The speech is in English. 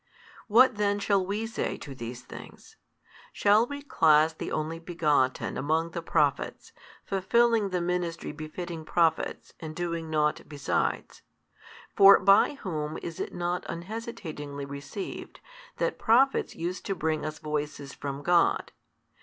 What then shall we say to these things? shall we class the Only Begotten among the prophets, fulfilling the ministry befitting Prophets, and doing nought besides? For by whom is it not unhesitatingly received, that Prophets used to bring us voices from God?